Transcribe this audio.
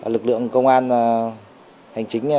lực lượng công an hành chính